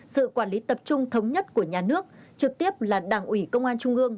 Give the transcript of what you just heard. sự quản lý tập trung thống nhất của nhà nước trực tiếp là đảng ủy công an trung ương